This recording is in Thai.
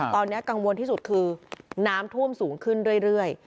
ตอนนี้กังวลที่สุดคือน้ำท่วมสูงขึ้นเรื่อย